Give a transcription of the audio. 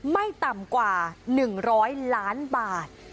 ไม่ต่ำกว่าหนึ่งร้อยล้านบาท